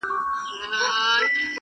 مړاوي مړاوي سور ګلاب وي زما په لاس کي,